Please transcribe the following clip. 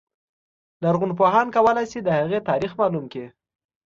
لرغونپوهان کولای شي د هغې تاریخ معلوم کړي.